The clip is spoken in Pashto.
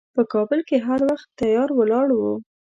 په کابل کې هر وخت تیار ولاړ و.